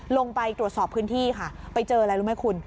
ลงไปตรวจสอบพื้นที่ค่ะไปเจออะไรรู้ไหมคุณ